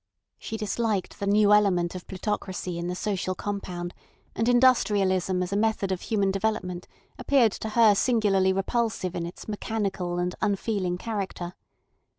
She disliked the new element of plutocracy in the social compound, and industrialism as a method of human development appeared to her singularly repulsive in its mechanical and unfeeling character.